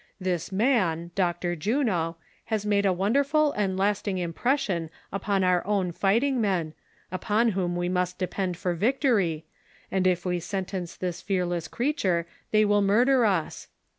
Tliis man — Dr. Juno — has made a wonderful and lasting impression upon our own fighting men, i;pon whom Ave must depend for victory, and if we sentence this fearless creature, they will murder us.